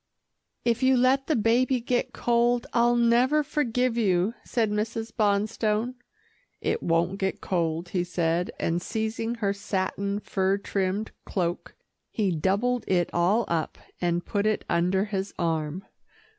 "If you let the baby get cold, I'll never forgive you," said Mrs. Bonstone. "It won't get cold," he said, and seizing her satin, fur trimmed cloak, he doubled it all up, and put it under his arm.